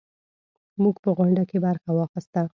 موږ په غونډه کې برخه واخیسته.